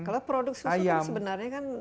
kalau produk susu itu sebenarnya kan